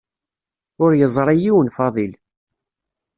Ur yeẓri yiwen Faḍil.